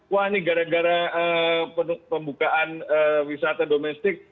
wah ini gara gara pembukaan wisata domestik